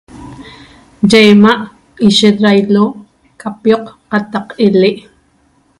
Ye ima' ishet ra ilo ca pioq qataq ele'